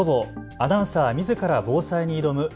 アナウンサーみずから防災に挑む＃